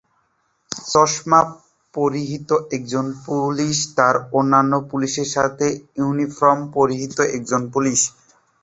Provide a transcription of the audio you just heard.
চশমা পরিহিত একজন পুলিশ এবং অন্যান্য পুলিশের সাথে ইউনিফর্ম পরিহিত একজন পুলিশ।